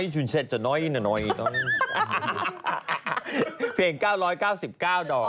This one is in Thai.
ฉันชอบเพลง๙๙๙ดอก